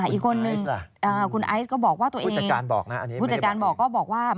อีกคนนึงคุณไอซคุณพุธจัดการบอกก็บอกว่า